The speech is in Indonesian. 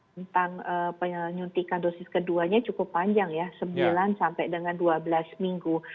tentang penyuntikan dosis keduanya cukup panjang ya sembilan sampai dengan dua belas minggu